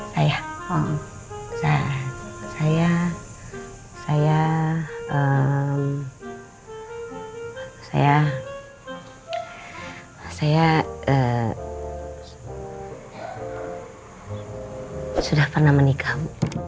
saya saya saya saya saya saya sudah pernah menikah